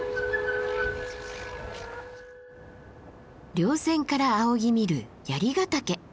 稜線から仰ぎ見る槍ヶ岳。